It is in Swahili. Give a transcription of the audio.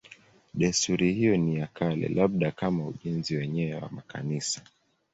Desturi hiyo ni ya kale, labda kama ujenzi wenyewe wa makanisa.